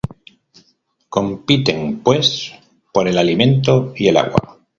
Compiten, pues, por el alimento y el agua.